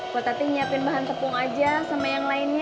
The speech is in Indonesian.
kok tadi ingin nyiapin bahan tepung aja sama yang lainnya